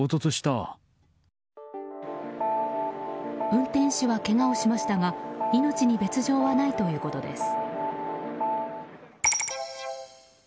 運転手は、けがをしましたが命に別条はないということです。